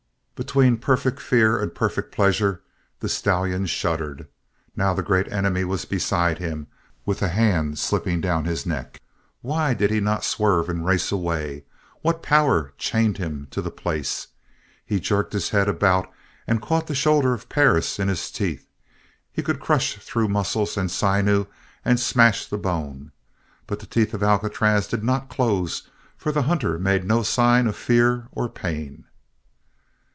Between perfect fear and perfect pleasure, the stallion shuddered. Now the Great Enemy was beside him with a hand slipping down his neck. Why did he not swerve and race away? What power chained him to the place? He jerked his head about and caught the shoulder of Perris in his teeth. He could crush through muscles and sinews and smash the bone. But the teeth of Alcatraz did not close for the hunter made no sign of fear or pain.